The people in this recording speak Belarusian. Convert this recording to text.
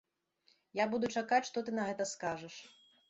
Я буду чакаць, што ты на гэта скажаш.